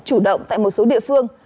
chủ động tại một số địa phương